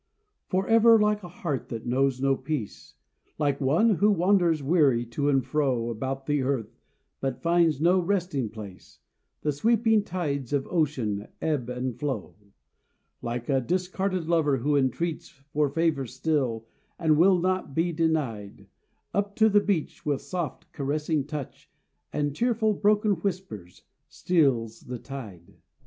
FOREVER, like a heart that knows no peace, Like one who wanders weary to and fro About the earth, but finds no resting place, The sweeping tides of ocean ebb and flow. Like a discarded lover who entreats For favor still, and will not be denied, Up to the beach, with soft, caressing touch And tearful broken whispers, steals the tide.